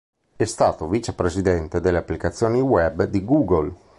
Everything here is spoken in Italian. È stato Vice Presidente delle applicazioni web di Google.